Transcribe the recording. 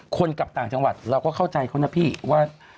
กลับต่างจังหวัดเราก็เข้าใจเขานะพี่ว่า